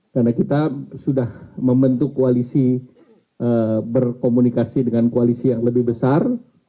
karena kita sudah membentuk koalisi berkomunikasi dengan koalisi yang lebih besar